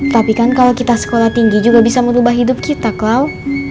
tapi kan kalau kita sekolah tinggi juga bisa merubah hidup kita klau